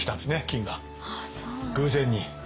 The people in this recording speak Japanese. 金が偶然に。